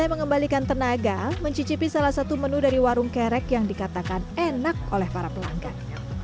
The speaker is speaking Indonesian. saya mengembalikan tenaga mencicipi salah satu menu dari warung kerek yang dikatakan enak oleh para pelanggan